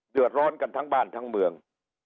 เดือดร้อนกันทั้งบ้านทั้งเมือง